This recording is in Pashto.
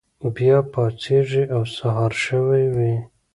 بیا پاڅیږي او سهار شوی وي.